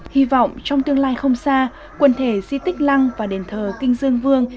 hy vọng trong tương lai không xa quần thể di tích lăng và đền thờ kinh dương vương